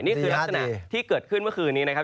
นี่คือลักษณะที่เกิดขึ้นเมื่อคืนนี้นะครับ